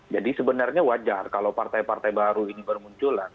jadi sebenarnya wajar kalau partai partai baru ini bermunculan